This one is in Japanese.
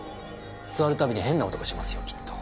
座るたびに変な音がしますよきっと。